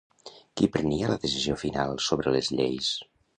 Qui prenia la decisió final sobre les lleis?